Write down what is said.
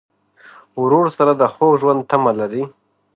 ورور سره د خوږ ژوند تمه لرې.